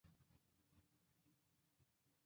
琼崖粗叶木为茜草科粗叶木属下的一个种。